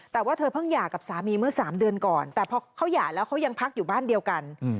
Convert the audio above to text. แต่ว่าเธอเพิ่งหย่ากับสามีเมื่อ๓เดือนก่อนแต่พอเขาหย่าแล้วเขายังพักอยู่บ้านเดียวกัน